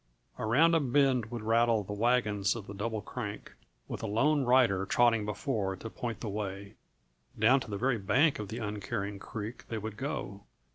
Around a bend would rattle the wagons of the Double Crank, with a lone rider trotting before to point the way; down to the very bank of the uncaring creek they would go.